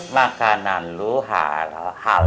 makanan lu halal atau haram